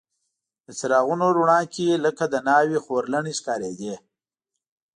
د څراغونو رڼا کې لکه د ناوې خورلڼې ښکارېدې.